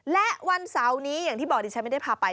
และวันเสาร์นี้อย่างที่บอกดิฉันไม่ได้พาไป